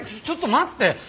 ちょっと待って！